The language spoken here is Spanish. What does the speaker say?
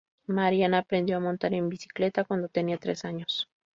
Mariana aprendió a montar en bicicleta cuando tenía tres años.